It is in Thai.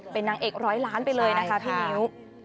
เป็นนางเอกร้อยล้านไปเลยนะคะพี่มิ้ว